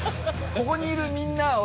ここにいるみんな。